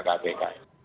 untuk pilihan kpk